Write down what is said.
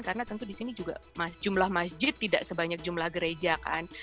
karena tentu di sini juga jumlah masjid tidak sebanyak jumlah gereja kan